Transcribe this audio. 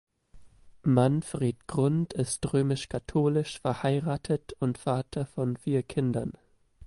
Manfred Grund ist römisch-katholisch, verheiratet und Vater von vier Kindern.